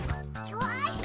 よし！